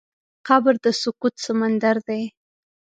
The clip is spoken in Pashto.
قبر د سکوت سمندر دی.